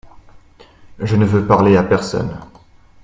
Je ne veux parler à personne.